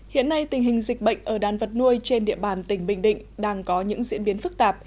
hiện nay tình hình dịch bệnh ở đàn vật nuôi trên địa bàn tỉnh bình định đang có những diễn biến phức tạp